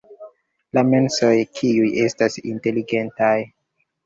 La mensoj kiuj estas inteligentaj.